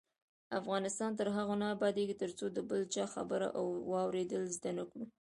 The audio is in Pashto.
افغانستان تر هغو نه ابادیږي، ترڅو د بل چا خبره واوریدل زده نکړو.